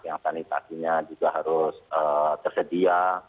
organisasinya juga harus tersedia